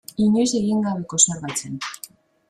Inoiz egin gabeko zerbait zen.